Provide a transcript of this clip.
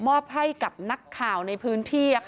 มอบให้กับนักข่าวในพื้นที่